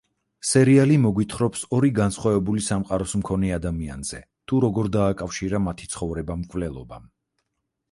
სერიალი მოგვითხრობს ორი განსხავებული სამყაროს მქონე ადამიანზე, თუ როგორ დააკავშირა მათი ცხოვრება მკვლელობამ.